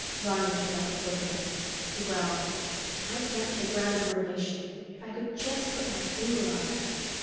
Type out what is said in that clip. Ronny took up his book again. He growled, "I can't figure out his motivation. If I could just put my finger on that."